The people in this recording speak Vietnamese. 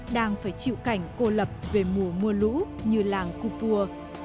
đang phải chịu cảnh cô lập về mùa mua lũ như làng cù pua